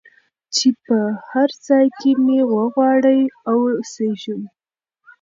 چي په هرځای کي مي وغواړی او سېږم